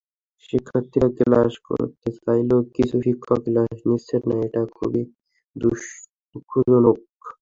শিক্ষার্থীরা ক্লাস করতে চাইলেও কিছু শিক্ষক ক্লাস নিচ্ছেন না, এটা খুবই দুঃখজনক।